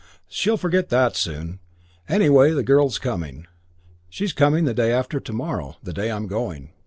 She'll forget that soon. Anyway, the girl's coming. She's coming the day after to morrow, the day I'm going.